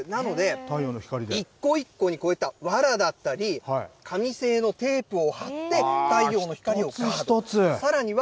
なので、一個一個に、こうやってわらだったり、紙製のテープを貼って、太陽の光を。